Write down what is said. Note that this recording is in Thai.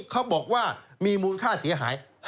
เขาบอกว่ามีมูลค่าเสียหาย